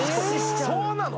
そうなの！？